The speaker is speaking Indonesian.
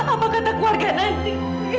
apa kata keluarga nanti